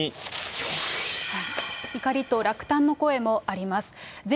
怒りと落胆の声もあります。